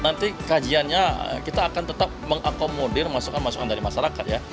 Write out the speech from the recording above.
nanti kajiannya kita akan tetap mengakomodir masukan masukan dari masyarakat ya